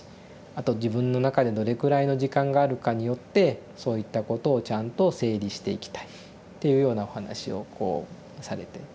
あと自分の中でどれくらいの時間があるかによってそういったことをちゃんと整理していきたい」っていうようなお話をこうされて。